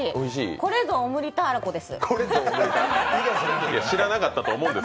これぞオムリターラコです。